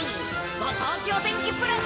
ご当地お天気プラス。